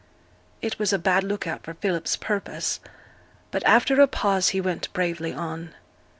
It was a bad look out for Philip's purpose; but after a pause he went bravely on.